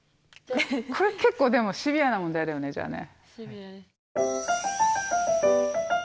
これ結構でもシビアな問題だよねじゃあね。